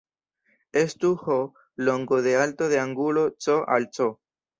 Estu "h" longo de alto de angulo "C" al "c".